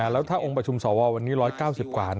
แล้วถ้าองค์ประชุมสววันนี้๑๙๐กว่า